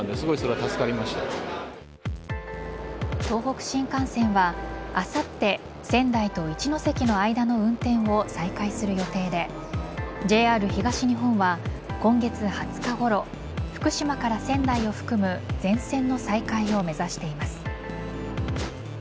東北新幹線はあさって仙台と一ノ関の間の運転を再開する予定でＪＲ東日本は今月２０日ごろ福島から仙台を含む全線の再開を目指しています。